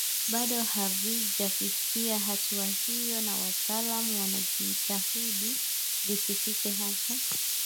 bado havijafikia hatua hiyo na wataalam wanajitahidi visifike hapo